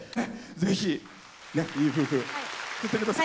ぜひ、いい家族作ってください。